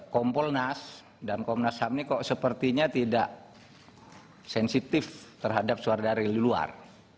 kompol nas dan kompol nas ham ini kok sepertinya tidak sensitif terhadap suara dari luar